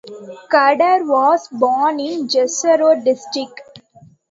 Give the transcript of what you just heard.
Kader was born in Jessore district.